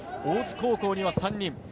大津高校には３人。